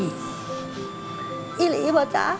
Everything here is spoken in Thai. อีหลีป่ะจ๊ะ